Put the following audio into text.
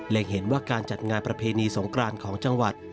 และเห็นว่าการจัดงานประเพณีสงกรานของจังหวัด